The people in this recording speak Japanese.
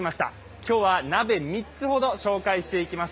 今日は鍋、３つほど紹介していきます。